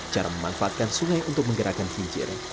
cara memanfaatkan sungai untuk menggerakkan hijir